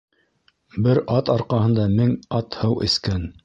Бер ат арҡаһында мең ат һыу эскән.